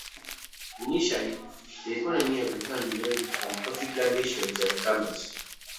Initially, the economy of the town relied on coffee plantations and commerce.